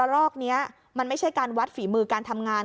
รอกนี้มันไม่ใช่การวัดฝีมือการทำงาน